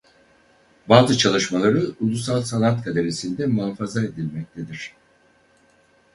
Bazı çalışmaları Ulusal Sanat Galerisi'nde muhafaza edilmektedir.